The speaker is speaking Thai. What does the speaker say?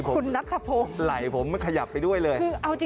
ขุนนักคพงศ์เลยผมขยับไปด้วยเลยคุณนักคพงศ์